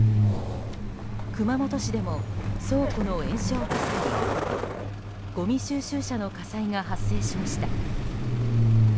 熊本市でも倉庫の延焼火災やごみ収集車の火災が発生しました。